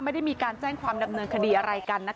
ไม่ได้มีการแจ้งความดำเนินคดีอะไรกันนะคะ